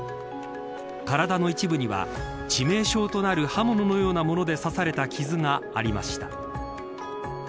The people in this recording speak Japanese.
体の一部には致命傷となる刃物のようなもので刺された傷がありました。